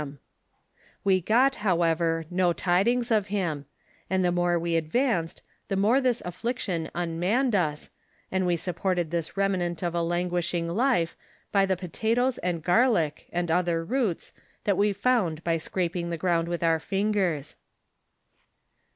158 NARRATIVE OF FATHER MEMBBE. UJ' "We got, however, no tidings of him, and the more wo od vanced, the more this affliction unmanned us, and we su^)*. ported this remnant of a languishing life hy the potatoes and garlick, and other roots, that we found by scraping the ground with our fingera.